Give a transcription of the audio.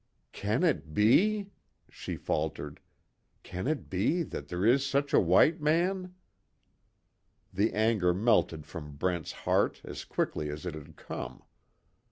"Can it be?" she faltered, "Can it be that there is such a white man?" The anger melted from Brent's heart as quickly as it had come.